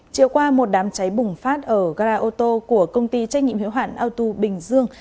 chiều qua một đám cháy bùng phát ở gara ô tô của công ty trách nhiệm hiếu hoạn auto bình dương